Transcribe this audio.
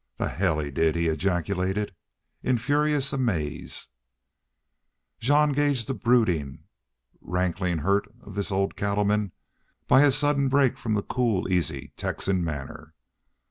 "The hell he did!" he ejaculated, in furious amaze. Jean gauged the brooding, rankling hurt of this old cattleman by his sudden break from the cool, easy Texan manner.